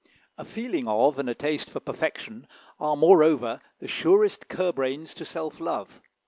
A feeling of and a taste for perfection are, moreover, the surest curb reins to self love.